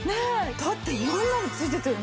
だって色んなの付いてたよね。